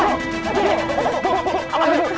kalau saja ini banyak pembahasan sama ada